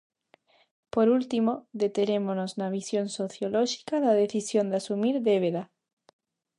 Por último, deterémonos na visión sociolóxica da decisión de asumir débeda.